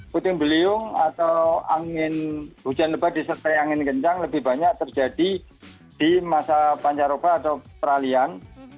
puting beliung atau hujan lebat disertai angin kencang lebih banyak terjadi di masa pancaroba atau peralian